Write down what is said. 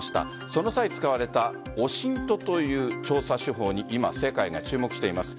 その際、使われたＯＳＩＮＴという調査手法に今、世界が注目しています。